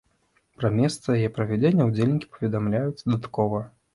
Пра месца яе правядзення ўдзельнікі паведамяць дадаткова.